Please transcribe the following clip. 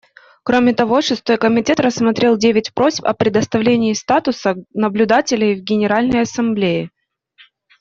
Кроме того, Шестой комитет рассмотрел девять просьб о предоставлении статуса наблюдателя в Генеральной Ассамблее.